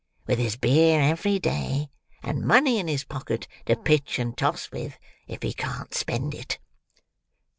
With his beer every day, and money in his pocket to pitch and toss with, if he can't spend it."